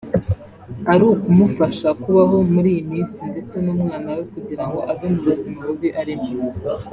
ari ukumufasha kubaho muri iyi minsi ndetse n’umwana we kugira ngo ave mu buzima bubi arimo”